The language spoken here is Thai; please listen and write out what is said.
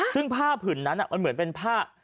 ซึ่งผ้าผื่นนั้นมันเหมือนเป็นผ้า